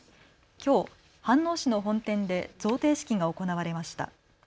きょう飯能市の本店で贈呈式が行われました。